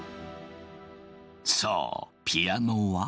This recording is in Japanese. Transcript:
そうピアノは。